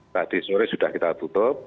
tadi sore sudah kita tutup